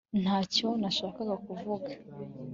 ntacyo nashakaga kuvuga